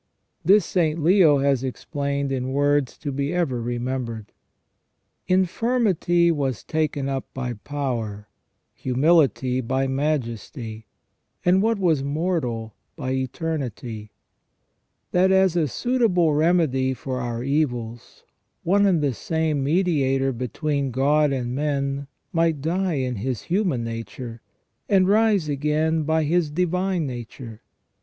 This St. Leo has explained in words to be ever remembered :" Infirmity was taken up by Power, humility by Majesty, and what was mortal by Eternity ; that, as a suitable remedy for our evils, one and the same Mediator between God and men might die in His human nature, and rise again by His divine nature.